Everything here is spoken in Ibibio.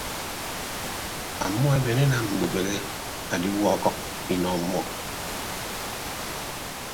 Ọmmọ eben enam mbubehe aadiiwuọ ọkʌk inọ ọmmọ.